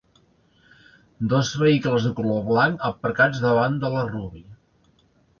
Dos vehicles de color blanc aparcats davant de la Ruby.